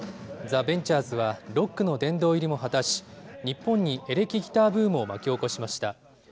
ザ・ベンチャーズはロックの殿堂入りも果たし、日本にエレキギターブームを巻き起こしました。